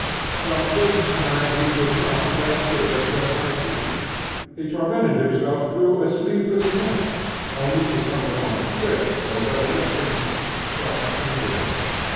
From this time he could not get rid of her idea; he tormented himself through a sleepless night, only to come upon the trace of a recollection, but in vain.